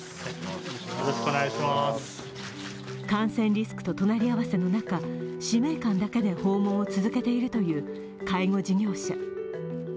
感染リスクと隣り合わせの中、使命感だけで訪問を続けているという介護事業者。